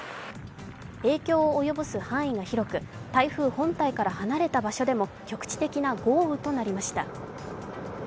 影響を及ぼす範囲が広く、台風本体から離れた場所でも局地的な豪雨となりました。